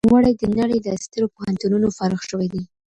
نوموړي د نړۍ له سترو پوهنتونونو فارغ شوی دی.